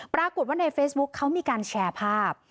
ปรากฏว่าในเฟซบุ๊คเขามีการแชร์ภาพ